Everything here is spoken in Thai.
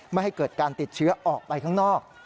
ไม่ให้เกิดการติดเชื้อออกไปข้างนอก